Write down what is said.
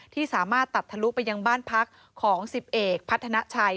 ที่สามารถตัดทะลุไปยังบ้านพักของ๑๐เอกพัฒนาชัย